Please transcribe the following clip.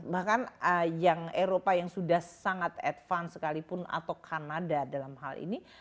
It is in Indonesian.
bahkan yang eropa yang sudah sangat advance sekalipun atau kanada dalam hal ini